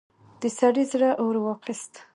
د سړي زړه اور واخيست.